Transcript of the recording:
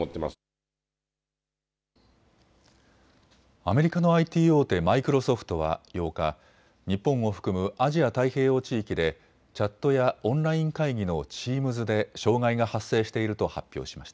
アメリカのＩＴ大手、マイクロソフトは８日、日本を含むアジア太平洋地域でチャットやオンライン会議のチームズで障害が発生していると発表しました。